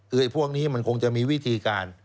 คือไอ้พวกนี้มันคงจะมีวิธีการ